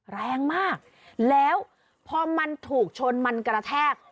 แรงมากแล้วพอมันถูกชนมันกระแทก